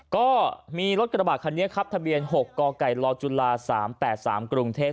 ก็มีรถกระบะคันนี้ครับทะเบียน๖กไก่ลจุฬา๓๘๓กรุงเทพฯ